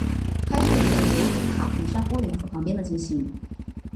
拍摄也在尤里卡红杉公园和旁边的进行。